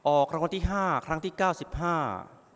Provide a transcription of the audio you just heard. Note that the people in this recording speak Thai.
ออกคำวัติห้าครั้งที่เก้าสิบห้า